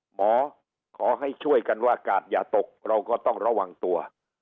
หมอขอให้ช่วยกันว่ากาดอย่าตกเราก็ต้องระวังตัว